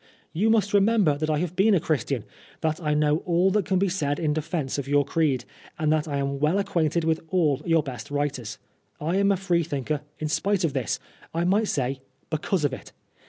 You must remember that I have been a Christian, that I know all that can be said in defence of your creed, and that I am well acquainted with all your best writers. I am a Freethinker in spite of this ; I might say because of it.